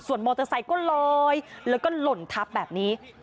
มอเตอร์ไซค์ก็ลอยแล้วก็หล่นทับแบบนี้